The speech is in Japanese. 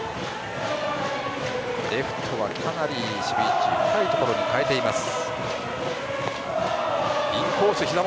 レフトはかなり守備位置深いところに変えています。